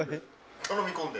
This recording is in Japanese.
頼み込んで。